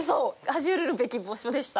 恥じるべき場所でした？